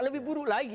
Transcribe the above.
lebih buruk lagi